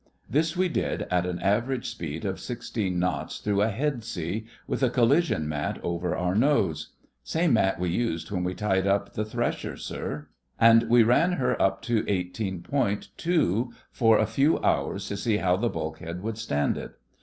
This we did at an average speed of sixteen knots, through a head sea, with a collision mat over our nose ('Same mat we used when we tied up the Thrasher, sir'), and we ran her up to eighteen point two for a few hours to see how the bulkhead would stand it.